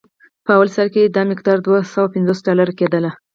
په لومړي سر کې دا مقدار دوه سوه پنځوس ډالر کېدل.